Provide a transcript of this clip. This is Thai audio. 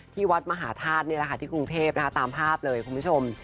ที่วัดมหาธาตุนี่แหละค่ะที่กรุงเทพตามภาพเลยคุณผู้ชม